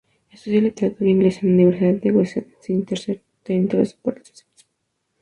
Estudió literatura inglesa en la Universidad de Waseda y se interesó por el socialismo.